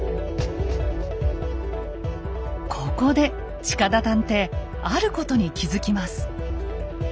ここで近田探偵あることに気付きます。